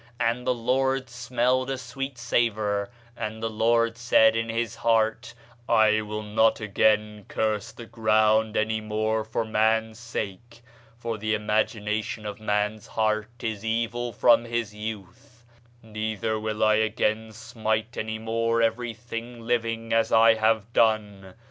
And the Lord smelled a sweet savour; and the Lord said in his heart, I will not again curse the ground any more for man's sake; for the imagination of man's heart is evil from his youth: neither will I again smite any more every thing living, as I have done.